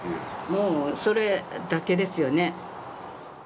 もう、それだけですよね。